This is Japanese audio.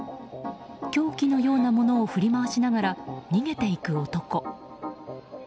凶器のようなものを振り回しながら逃げていく男。